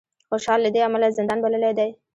خوشال له دې امله زندان بللی دی